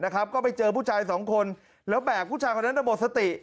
ก็ไปเจอผู้ชายสองคนแล้วแบกผู้ชายคนนั้นหมดสติ